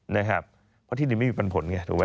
เพราะที่ดินไม่มีปันผลไงถูกไหม